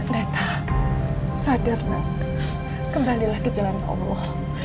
neta sadar nat kembalilah ke jalan allah